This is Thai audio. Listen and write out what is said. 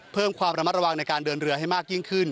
เพิ่มความระมัดระวังในการเดินเรือให้มากยิ่งขึ้น